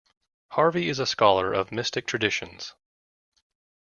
Harvey is a scholar of mystic traditions.